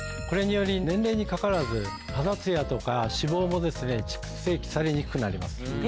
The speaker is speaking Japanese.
これにより年齢にかかわらず肌ツヤとか脂肪も蓄積されにくくなります。